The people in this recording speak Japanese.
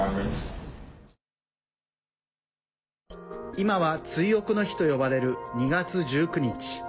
今は追憶の日と呼ばれる２月１９日。